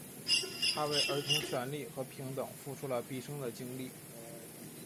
他为儿童权利和平等付出了毕生的精力。